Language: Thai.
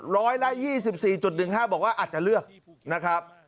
ร้อยละ๒๔๑๕บอกว่าอาจจะเลือกนะครับ